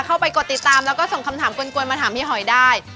กดติดตามแล้วก็ส่งคำถามกวนมาถามพี่หอยได้